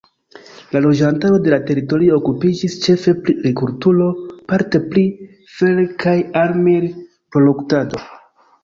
La loĝantaro de la teritorio okupiĝis ĉefe pri agrikulturo; parte pri fer- kaj armil-proruktado.